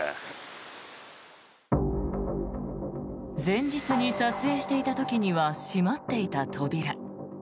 前日に撮影していた時には閉まっていた扉。